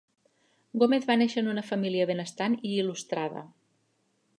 Gómez va néixer en una família benestant i il·lustrada.